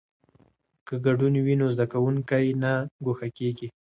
که ګډون وي نو زده کوونکی نه ګوښه کیږي.